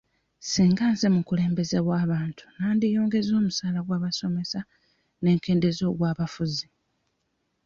Singa nze mukulembeze w'abantu nandiyongeza omusaala gw'abasomesa ne nkendeeza ogw'abafuzi.